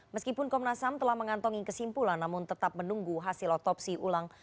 meskipun komnasam telah mengantongi kesimpulan namun tetap menunggu hasil otopsi ulang